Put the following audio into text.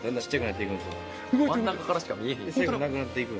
真ん中からしか見えへん。